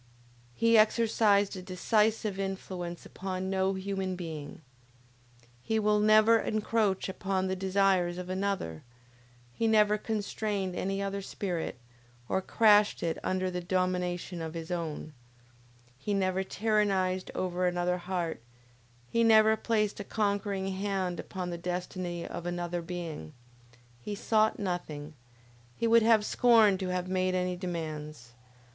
He exercised a decisive influence upon no human being. His will never encroached upon the desires of another, he never constrained any other spirit, or crashed it under the domination of his own, He never tyrannized over another heart, he never placed a conquering hand upon the destiny of another being. He sought nothing; he would have scorned to have made any demands.